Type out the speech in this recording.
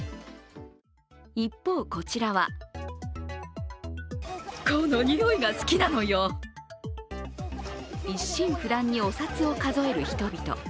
一方、こちらは一心不乱にお札を数える人々。